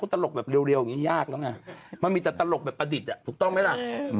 โธ่จังกับไว้มันมีแต่ตลกแบบประดิษฐ์ถูกต้องไหมล่ะ